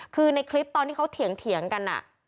คือในคลิปตอนที่เขาเถียงกัน